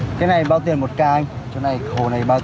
ra sân hàng làm gì có ai đánh một ca đâu ít phải hai ca